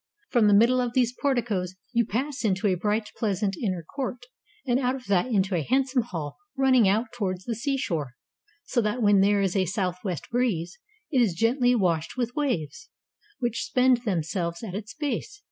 From the middle of these porticoes you pass into a bright pleasant inner court, and out of that into a handsome hall running out towards the seashore ; so that when there is a southwest breeze, it is gently washed with waves, which spend themselves at its base.